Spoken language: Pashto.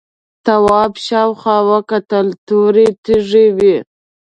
تواب شاوخوا وکتل تورې تیږې وې.